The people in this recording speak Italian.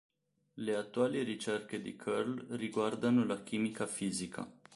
Le attuali ricerche di Curl riguardano la chimica fisica.